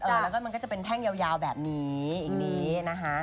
แล้วก็มันก็จะเป็นแท่งยาวแบบนี้อย่างนี้นะคะ